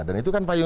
dan itu kan